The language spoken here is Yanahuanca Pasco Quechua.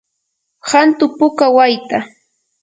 hantu puka wayta.